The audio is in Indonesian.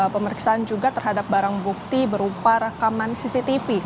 pemeriksaan juga terhadap barang bukti berupa rekaman cctv